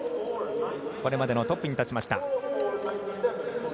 これまでのトップに立ちました。